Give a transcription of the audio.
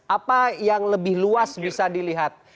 apa yang lebih luas bisa dilihat